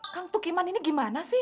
kang tukiman ini gimana sih